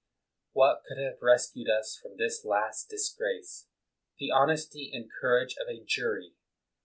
What could have rescued us from this last disgrace? The honesty and courage of a jury.